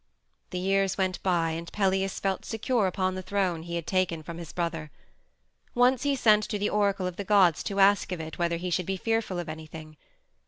The years went by and Pelias felt secure upon the throne he had taken from his brother. Once he sent to the oracle of the gods to ask of it whether he should be fearful of anything.